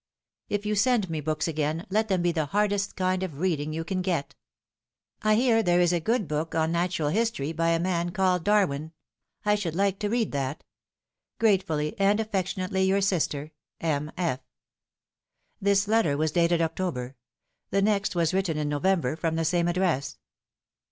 If you send me books again let them be the hardest kind of reading you can get. I hear there is a good book on natural history by a man called Darwin. I should like to read that. Gratefully and affectionately your sister, M. F." This letter was dated October. The next was written in November from the same address.